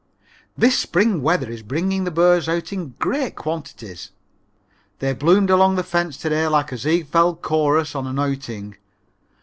_ This spring weather is bringing the birds out in great quantities. They bloomed along the fence today like a Ziegfeld chorus on an outing.